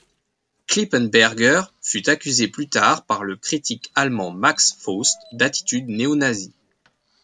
Kippenberger fut accusé plus tard par le critique allemand Max Faust d’attitude néo-nazie.